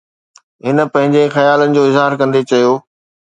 هن پنهنجي خيالن جو اظهار ڪندي چيو